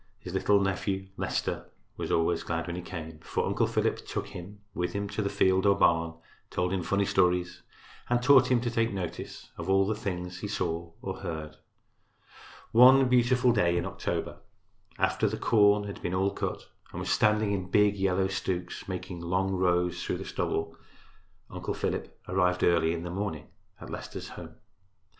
His little nephew, Leicester, was always glad when he came, for Uncle Philip took him with him to the field or barn, told him funny stories and taught him to take notice of all the things he saw or heard. One beautiful day in October, after the corn had been all cut and was standing in big yellow stooks, making long rows through the stubble, Uncle Philip arrived early in the morning at Leicester's home.